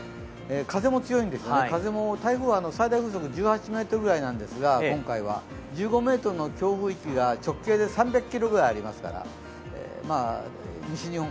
風も強いんですよね、台風は最大風速１８メートルくらいなんですが今回は、１５メートルの強風域が直径で３００ｋｍぐらいありますから西日本、